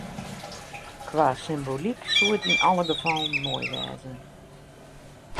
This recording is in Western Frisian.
Kwa symboalyk soe it yn alle gefallen moai wêze.